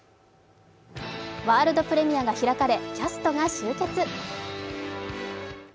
ワールドプレミアが開かれキャストが集結。